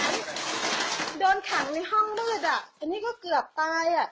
อันนี้ก็เกือบตาย